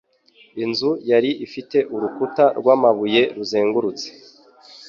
Inzu yari ifite urukuta rw'amabuye ruzengurutse.